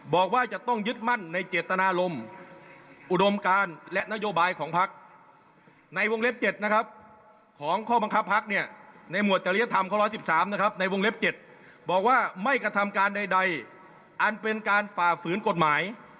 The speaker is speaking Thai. บอกว่าไม่กระทำการใดอันเป็นการฝ่าฝืนกฎหมาย